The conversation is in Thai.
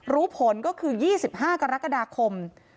รู้ผลก็คือ๒๕กรกฎาคม